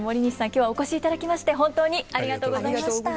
今日はお越しいただきまして本当にありがとうございました。